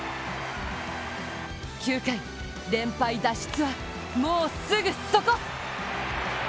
９回、連敗脱出は、もうすぐそこ！